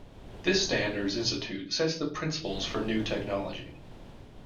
This standards institution sets the principles for new technology.